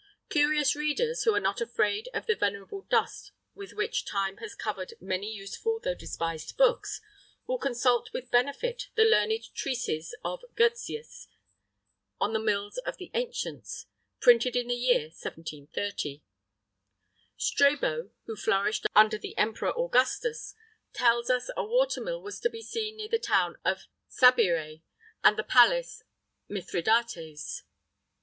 [III 33] Curious readers, who are not afraid of the venerable dust with which time has covered many useful though despised books, will consult with benefit the learned treatise of Goetzius on the mills of the ancients, printed in the year 1730.[III 34] Strabo, who flourished under the Emperor Augustus, tells us a watermill was to be seen near the town of Cabire and the palace of Mithridates.